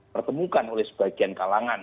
pertemukan oleh sebagian kalangan